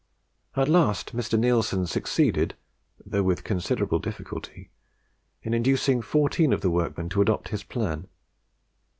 At last Mr. Neilson succeeded, though with considerable difficulty, in inducing fourteen of the workmen to adopt his plan.